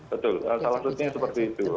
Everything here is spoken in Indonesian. betul salah satunya seperti itu